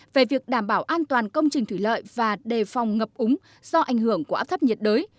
về việc đảm bảo an toàn công trình thủy lợi và đề phòng ngập úng do ảnh hưởng của áp thấp nhiệt đới